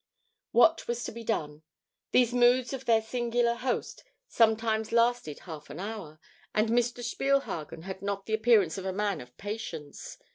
What was to be done? These moods of their singular host sometimes lasted half an hour, and Mr. Spielhagen had not the appearance of a man of patience.